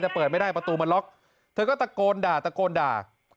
แต่เปิดไม่ได้ประตูมันล็อกเธอก็ตะโกนด่าตะโกนด่า